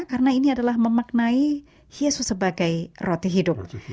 karena ini adalah memaknai yesus sebagai roti hidup